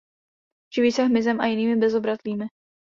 Živí se hmyzem a jinými bezobratlými.